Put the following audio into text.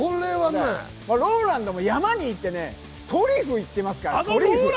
ＲＯＬＡＮＤも山に行ってトリュフいってますから。